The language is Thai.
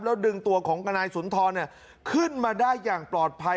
แล้วดึงตัวของนายสุนทรขึ้นมาได้อย่างปลอดภัย